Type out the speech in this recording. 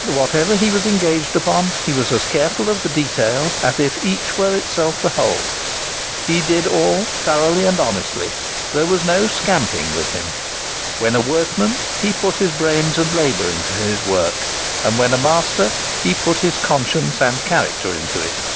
Whatever he was engaged upon, he was as careful of the details as if each were itself the whole. He did all thoroughly and honestly. There was no "scamping" with him. When a workman he put his brains and labour into his work; and when a master he put his conscience and character into it.